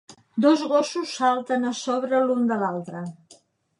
Dos gossos salten a sobre l'un de l'altre.